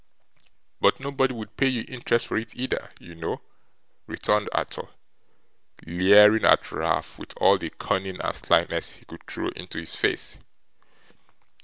'But nobody would pay you interest for it either, you know,' returned Arthur, leering at Ralph with all the cunning and slyness he could throw into his face.